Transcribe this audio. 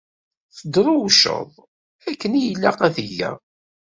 Teddrewceḍ, akken i ilaq ad geɣ!